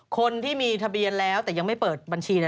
คนที่มีทะเบียนแล้วแต่ยังไม่เปิดบัญชี